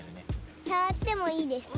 さわってもいいですか？